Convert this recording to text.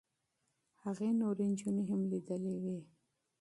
هغې نورې نجونې هم لیدلې وې.